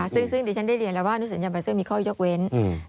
ซึ่งดิฉันได้เรียนแล้วว่าอนุสัญญาบาเซอร์มีข้อยกเว้น